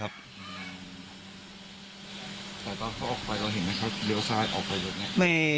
แต่เขาออกไปเค้าเห็นไหมเดี๋ยวซ้ายออกไป